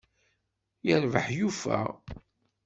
Yerbeḥ yufa!